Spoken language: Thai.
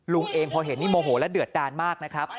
ลุงเองพอเห็นนี่โมโหและเดือดดาลมาก